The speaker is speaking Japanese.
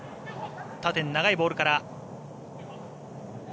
縦に長いボールから。